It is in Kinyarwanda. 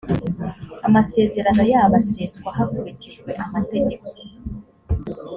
amasezerano yabo aseswa hakurikijwe amategeko